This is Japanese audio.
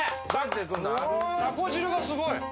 たこ汁がすごい。